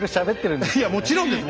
いやもちろんです